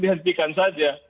dihentikan semoga saja